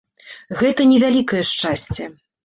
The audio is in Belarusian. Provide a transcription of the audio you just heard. Гэта не вялікае шчасце.